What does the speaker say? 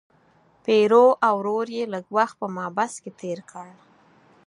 پیرو او ورور یې لږ وخت په محبس کې تیر کړ.